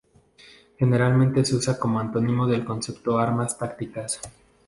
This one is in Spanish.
Generalmente se usa como antónimo del concepto armas tácticas.